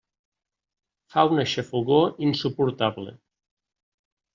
Fa una xafogor insuportable.